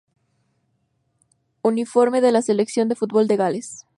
Uniforme de la selección de fútbol de Gales